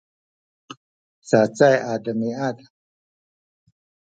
cacay a demiad